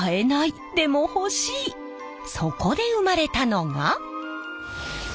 そこで生まれたのが。